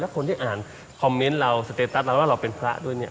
คนที่อ่านคอมเมนต์เราสเตตัสเราว่าเราเป็นพระด้วยเนี่ย